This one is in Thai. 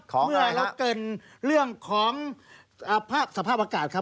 เมื่อเราเกินเรื่องของสภาพอากาศครับ